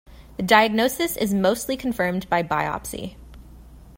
The diagnosis is mostly confirmed by biopsy.